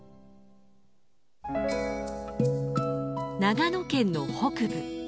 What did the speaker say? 長野県の北部。